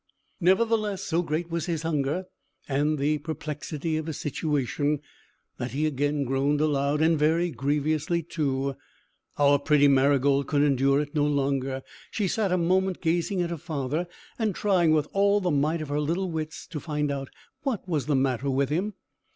Nevertheless, so great was his hunger, and the perplexity of his situation, that he again groaned aloud, and very grievously, too. Our pretty Marygold could endure it no longer. She sat, a moment, gazing at her father, and trying, with all the might of her little wits, to find out what was the matter with him.